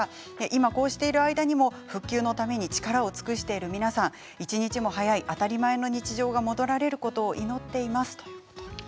今、こうしてる間にも復旧のために力を尽くしている皆さん一日も早い当たり前の日常が戻られることを祈っています。